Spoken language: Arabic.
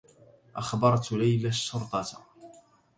أخبرت ليلى الشّرطة.